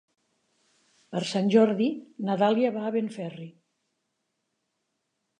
Per Sant Jordi na Dàlia va a Benferri.